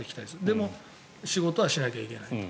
でも仕事はしなきゃいけないと。